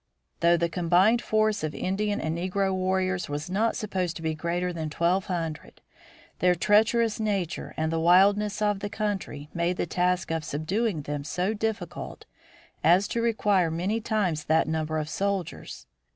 Though the combined force of Indian and negro warriors was not supposed to be greater than twelve hundred, their treacherous nature and the wildness of the country, made the task of subduing them so difficult as to require many times that number of soldiers.